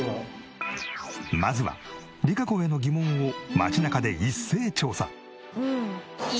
まずはＲＩＫＡＣＯへの疑問を街中で一斉調査。